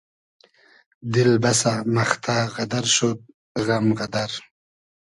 دیل بئسۂ مئختۂ غئدئر شود غئم غئدئر